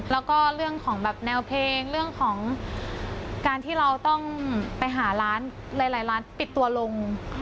แล้วก็เรื่องของแนวเพลงการที่เราต้องไปหาร้านหลายร้านปิดตัวลง